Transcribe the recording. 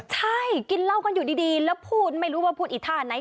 ใช่กินเหล้ากันอยู่ดีแล้วพูดไม่รู้ว่าพูดอีกท่าไหน